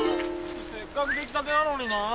せっかく出来たてなのになぁ。